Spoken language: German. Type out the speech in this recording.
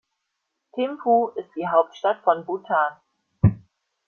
Thimphu ist die Hauptstadt von Bhutan.